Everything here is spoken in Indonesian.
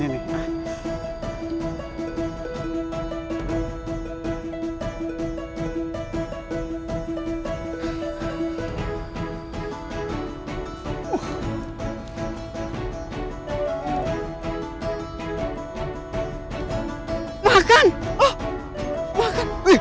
ini mah gede nih jumbo